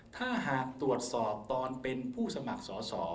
ถ้าหากตรวจสอบตอนเป็นผู้สมัครสอสอ